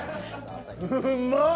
うんまっ。